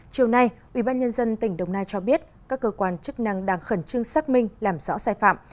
chiều nay ubnd tỉnh đồng nai cho biết các cơ quan chức năng đang khẩn trương xác minh làm rõ sai phạm